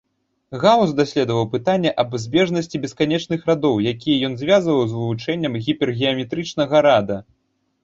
Гаус даследаваў пытанне аб збежнасці бесканечных радоў, якія ён звязаў з вывучэннем гіпергеаметрычнага рада.